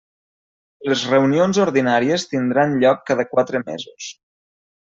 Les reunions ordinàries tindran lloc cada quatre mesos.